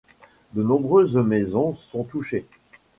De nombreuses maisons sont touchées.